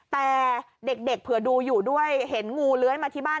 แต่เด็กเผื่อดูอยู่ด้วยเห็นงูเลื้อยมาที่บ้าน